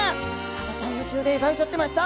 さばちゃんに夢中で描いちゃってました。